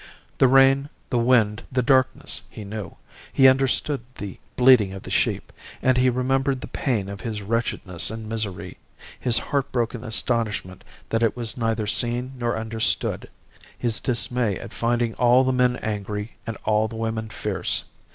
The rain, the wind, the darkness he knew; he understood the bleating of the sheep, and he remembered the pain of his wretchedness and misery, his heartbroken astonishment that it was neither seen nor understood, his dismay at finding all the men angry and all the women fierce.